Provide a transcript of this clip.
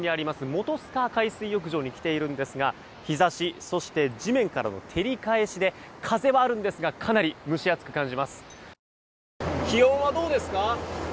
本須賀海水浴場に来ているんですが陽射し、そして地面からの照り返しで、風はあるんですがかなり蒸し暑く感じます。